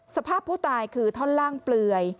สภาพผู้ตายคือท่อนล่างเปลือย